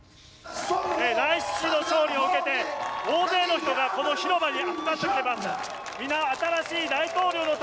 ライシ師の勝利を受けて大勢の人がこの広場に集まってきました。